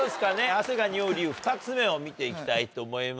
汗がにおう理由２つ目を見ていきたいと思います。